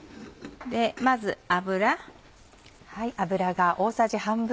まず油。